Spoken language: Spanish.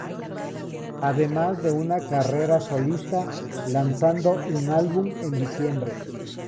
Además de una carrera solista, lanzando un álbum en diciembre.